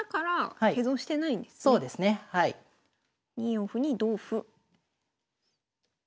２四歩に同歩。